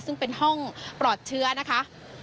ซึ่งเป็นห้องปลอดเชื้อนะคะ